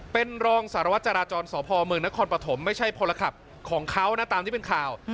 เป็นรองสารวัตจราจรสพเมืองนครปฐมไม่ใช่พลขับของเขานะตามที่เป็นข่าว